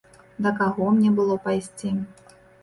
Да каго мне было пайсці?